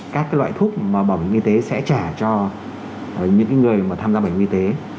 các cái loại thuốc mà bảo vệnh y tế sẽ trả cho những người mà tham gia bảo vệnh y tế